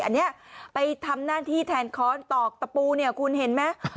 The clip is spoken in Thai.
อันนี้ไปทำน่าที่แทนขอร์สตอกตะปูที่คุณเห็นไหม